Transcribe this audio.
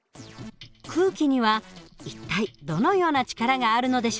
空気には一体どのような力があるのでしょうか。